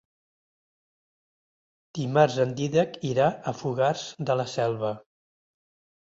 Dimarts en Dídac irà a Fogars de la Selva.